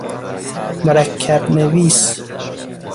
مرکب نویس